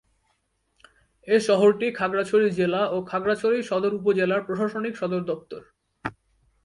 এ শহরটি খাগড়াছড়ি জেলা ও খাগড়াছড়ি সদর উপজেলার প্রশাসনিক সদরদপ্তর।